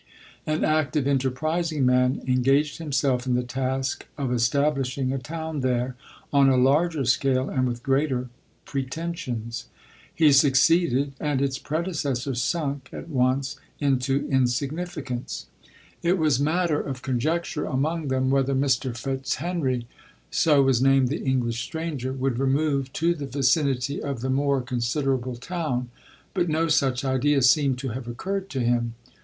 An active, enterprising man engaged himself in the task of establishing a town there on a larger scale and with greater pretensions. He succeeded, and its predecessor sunk at once into insignificance. It was matter 1G LODORK. of conjecture among them whether Mr. Fitz henry (so was named the English stranger) would remove to the vicinity of the more con siderable town, but no such idea seemed to have occurred to him.